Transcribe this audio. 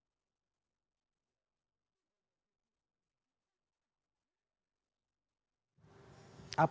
ketua dki jakarta gembong warsono mengkritik langkah pengunduran dirinya di saat jabatannya akan berakhir